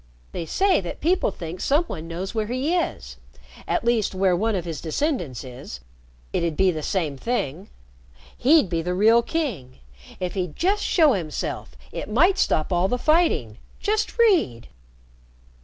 They say that people think some one knows where he is at least where one of his descendants is. It'd be the same thing. He'd be the real king. If he'd just show himself, it might stop all the fighting. Just read."